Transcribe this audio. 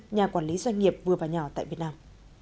nhà quản lý doanh nghiệp vừa và nhỏ tại việt nam